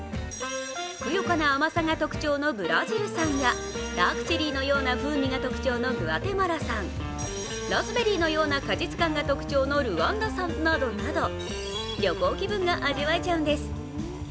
ふくよかな甘さが特徴のブラジル産やダークチェリーのような風味が特徴のグアテマラ産、ラズベリーのような果実感が特徴のルワンダ産などなど旅行気分が味わえちゃうんです。